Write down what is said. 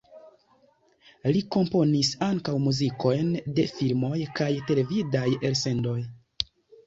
Li komponis ankaŭ muzikojn de filmoj kaj televidaj elsendoj.